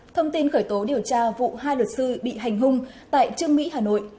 thông tin khởi tố điều tra vụ hai luật sư bị hành hung tại trương mỹ hà nội